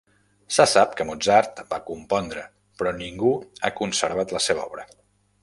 Se sap que Mozart va compondre, però ningú ha conservat la seva obra.